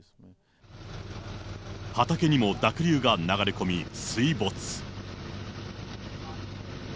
畑にも濁流が流れ込み、水没。